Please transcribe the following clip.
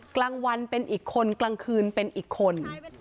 กลางวันเป็นอีกคนกลางคืนเป็นอีกคน